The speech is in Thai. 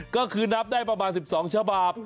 ก็คือนับได้ประมาณ๑๒ฉบับ